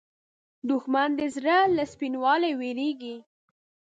دښمن د زړه له سپینوالي وېرېږي